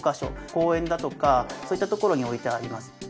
公園だとかそういった所に置いてあります。